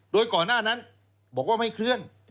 โดยก่อนหน้านั้นบอกว่าไม่เคลื่อน